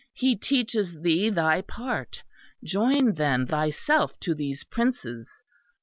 He teaches thee thy part. Join then thyself to these princes!...